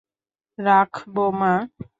রাখব, মা।